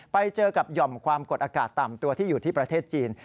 ไปเจอกับหย่อมความกดอากาศต่ำตัวที่อยู่ที่ประเทศจีน